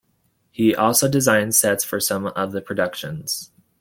He also designed sets for some of the productions.